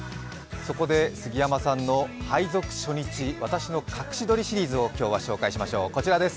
そこで杉山さんの配属初日、私の隠し撮りシリーズを今日は御紹介いたしましょう。